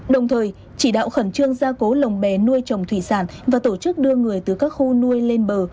đồng thời chỉ đạo khẩn trương gia cố lồng bé nuôi trồng thủy sản và tổ chức đưa người từ các khu nuôi lên bờ